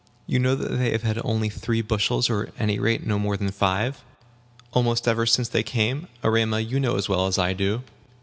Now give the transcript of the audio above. "You know that they have only had three bushels, or, at any rate, not more than five, almost ever since they came. Erema, you know as well as I do."